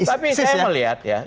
tapi saya melihat ya